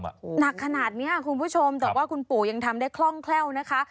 หนักขนาดนี้คุณผู้ชมแต่ว่าคุณปู่ยังทำได้คล่องแคล่วนะคะ